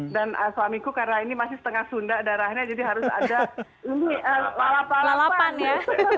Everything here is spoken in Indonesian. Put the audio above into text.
dan suamiku karena ini masih setengah sunda darahnya jadi harus ada lalapan ya